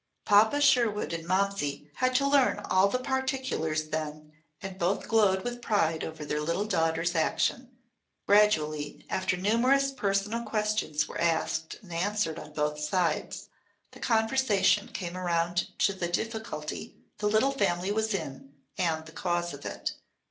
Papa Sherwood and Momsey had to learn all the particulars then, and both glowed with pride over their little daughter's action. Gradually, after numerous personal questions were asked and answered on both sides, the conversation came around to the difficulty the little family was in, and the cause of it.